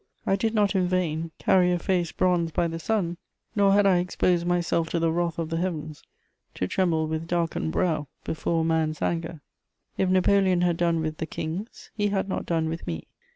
I did not in vain carry a face bronzed by the sun, nor had I exposed myself to the wrath of the heavens to tremble with darkened brow before a man's anger. If Napoleon had done with the kings, he had not done with me.